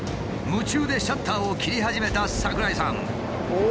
夢中でシャッターを切り始めた櫻井さん。